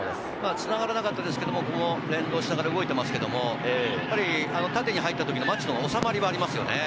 つながらなかったですけど、連動しながら動いて縦に入った時の町野の収まりはありますよね。